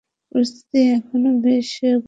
পরিস্থিতি এখনও বেশ ঘোলাটে।